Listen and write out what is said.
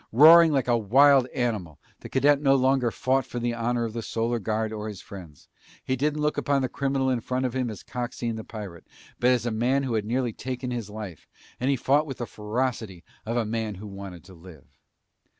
Roaring like a wild animal, the cadet no longer fought for the honor of the Solar Guard or his friends. He didn't look upon the criminal in front of him as Coxine the pirate, but as a man who had nearly taken his life, and he fought with the ferocity of a man who wanted to live.